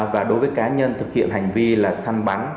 và đối với cá nhân thực hiện hành vi là săn bắn